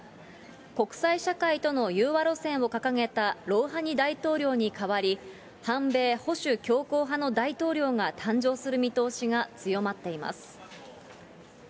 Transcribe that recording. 国際社会との融和路線を掲げたロウハニ大統領に代わり、反米保守強硬派の大統領が誕生する見通しが強まっています。